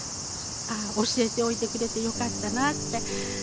教えておいてくれてよかったなって。